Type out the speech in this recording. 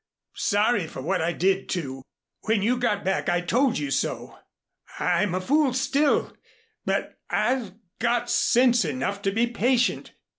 Sorry for what I did, too. When you got back I told you so. I'm a fool still, but I've got sense enough to be patient.